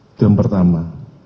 itu yang pertama